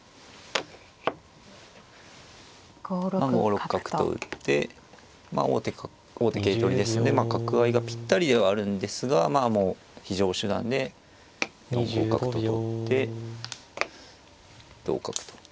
５六角と打って王手桂取りですんで角合いがぴったりではあるんですがまあもう非常手段で４五角と取って同角と。